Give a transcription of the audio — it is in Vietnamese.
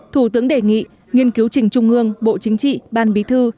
thủ tướng đề nghị nghiên cứu trình trung ương bộ chính trị ban bí thư